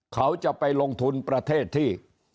เขาจะไปลงทุนประเทศที่